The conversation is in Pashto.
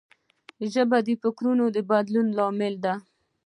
ژبه د فکرونو د بدلون لامل ده